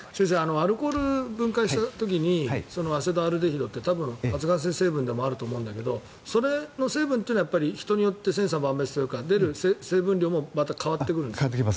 アルコールを分解した時にアセトアルデヒドって多分、発がん性成分でもあると思うんだけどその成分は人によって千差万別というか出る成分量も変わってきますね。